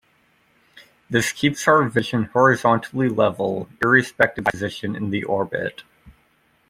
This keeps our vision horizontally level, irrespective of eye position in the orbit.